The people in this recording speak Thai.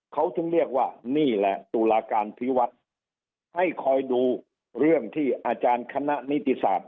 เขาถึงเรียกว่านี่แหละตุลาการพิวัฒน์ให้คอยดูเรื่องที่อาจารย์คณะนิติศาสตร์